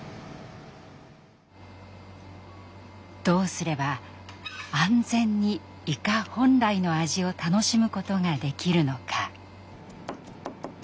どうすれば安全にイカ本来の味を楽しむことができるのか。